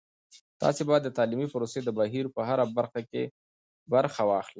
تاسې باید د تعلیمي پروسې د بهیر په هره برخه کې برخه واخلئ.